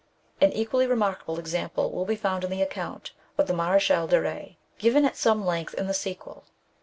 An equally remarkable example will be found in the account of the Mareschal de Ketz given at some length in the sequel.